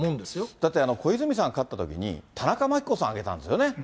だって小泉さん、ときに、田中真紀子さんあげたんですよね。